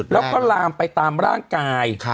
แล้วก็ลามไปตามร่างกาย